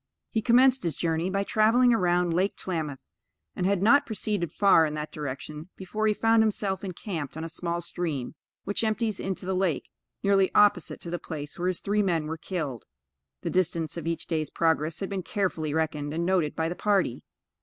He commenced his journey by traveling around Lake Tlamath, and had not proceeded far in that direction, before he found himself encamped on a small stream which empties into the lake, nearly opposite to the place where his three men were killed. The distance of each day's progress had been carefully reckoned and noted by the party.